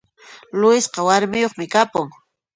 Luisqa warmiyoqmi kapun